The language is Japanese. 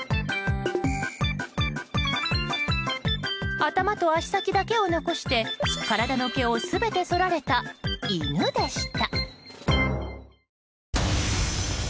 頭と足先だけを残して体の毛を全てそられた犬でした。